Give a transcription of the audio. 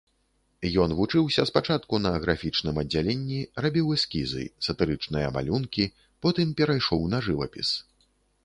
Ён вучыўся спачатку на графічным аддзяленні, рабіў эскізы, сатырычныя малюнкі, потым перайшоў на жывапіс.